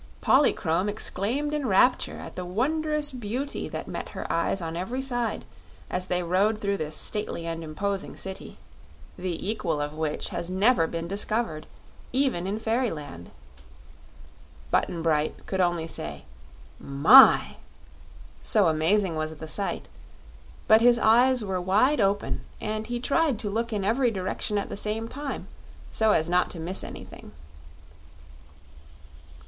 Polychrome exclaimed in rapture at the wondrous beauty that met her eyes on every side as they rode through this stately and imposing City, the equal of which has never been discovered, even in Fairyland. Button Bright could only say "My!" so amazing was the sight; but his eyes were wide open and he tried to look in every direction at the same time, so as not to miss anything.